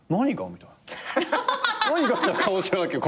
みたいな顔してるわけよ